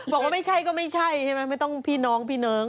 บอกว่าไม่ใช่ก็ไม่ใช่ใช่ไหมไม่ต้องพี่น้องพี่น้อง